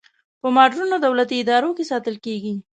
په مدرنو دولتي ادارو ساتل کیږي.